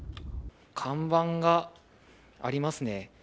看板がありますね。